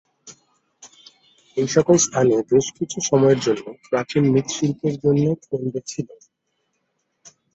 এই সকল স্থান, বেশ কিছু সময়ের জন্য, প্রাচীন মৃৎশিল্পের জনে কেন্দ্র ছিল।